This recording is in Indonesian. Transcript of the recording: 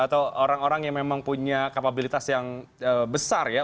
atau orang orang yang memang punya kapabilitas yang besar ya